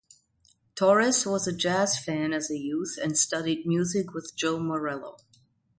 Torres was a jazz fan as a youth and studied music with Joe Morello.